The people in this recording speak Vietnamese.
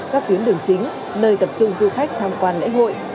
các tuyến đường chính nơi tập trung du khách tham quan lễ hội